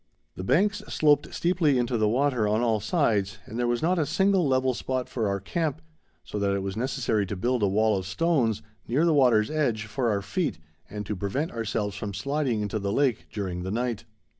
The banks sloped steeply into the water on all sides, and there was not a single level spot for our camp, so that it was necessary to build a wall of stones, near the water's edge, for our feet, and to prevent ourselves from sliding into the lake during the night.